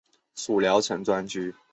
属聊城专区。